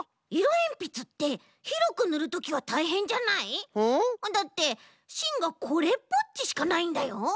えんぴつってひろくぬるときはたいへんじゃない？だってしんがこれっぽっちしかないんだよ。